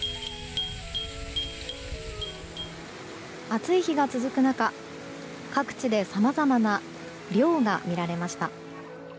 暑い日が続く中、各地でさまざまな涼が見られました。